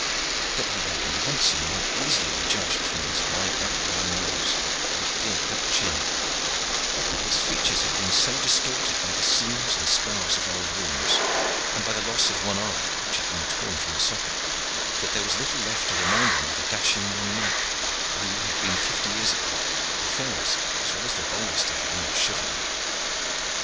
That he had been handsome might be easily judged from his high aquiline nose and clear cut chin; but his features had been so distorted by the seams and scars of old wounds, and by the loss of one eye which had been torn from the socket, that there was little left to remind one of the dashing young knight who had been fifty years ago the fairest as well as the boldest of the English chivalry.